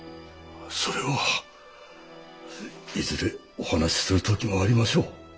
それはいずれお話しする時もありましょう。